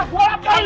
gua laparin lu